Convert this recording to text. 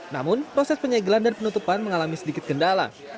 namun proses penyegelan dan penutupan mengalami sedikit kendala